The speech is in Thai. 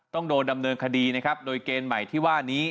ต้องโดนดำเนินคดีนะครับโดยเกณฑ์ใหม่ที่ว่านี้